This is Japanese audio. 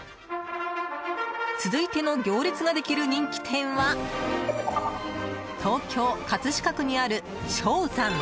続いての行列ができる人気店は東京・葛飾区にある、賞讃。